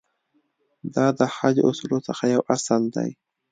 دا د حج اصولو څخه یو اصل دی.